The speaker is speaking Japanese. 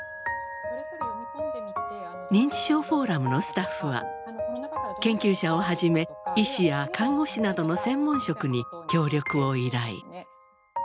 認知症フォーラムのスタッフは研究者をはじめ医師や看護師などの専門職に協力を依頼。